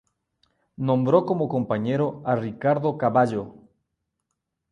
Nombró como compañero a Ricardo Cavallo.